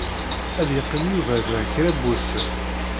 Ad yeqqim Yuba da kra n wussan.